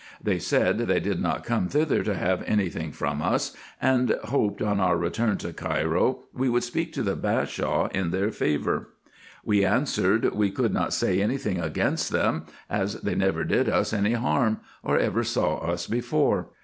They said, they did not come thither to have any thing from us, and hoped on our return to Cairo we would speak to the Bashaw in their favour. We answered, we could not say any thing against them, as they never did us any harm, or ever saw us before.